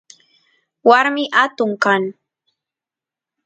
warmi atun kan